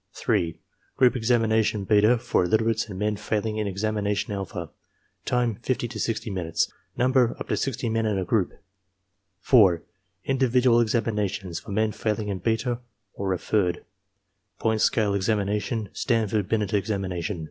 (3) Group examination beta (for illiterates and men failing in examination alpha) : Time, 50 to 60 minutes. Number, up to 60 men in a group. 44 ARMY MENTAL TESTS (4) Individual examinations (for men failing in beta, or re ferred) : Point scale examination. Stanford Binet examination.